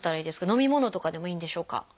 飲み物とかでもいいんでしょうか？